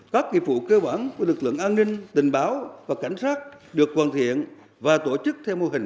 các nghị phụ kế hoạng của lực lượng an ninh tình báo và cảnh sát được hoàn thiện và tổ chức theo mô hình